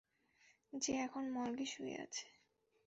যে এখন মর্গে শুয়ে আছে।